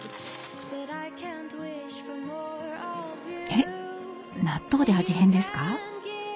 えっ納豆で味変ですか？